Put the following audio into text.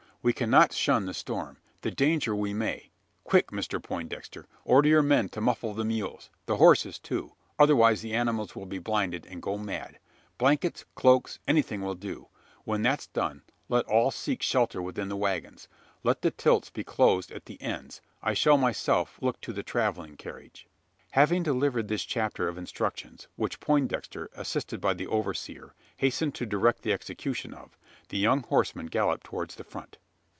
We cannot shun the storm the danger we may. Quick, Mr Poindexter! Order your men to muffle the mules the horses too otherwise the animals will be blinded, and go mad. Blankets cloaks anything will do. When that's done, let all seek shelter within the waggons. Let the tilts be closed at the ends. I shall myself look to the travelling carriage." Having delivered this chapter of instructions which Poindexter, assisted by the overseer, hastened to direct the execution of the young horseman galloped towards the front.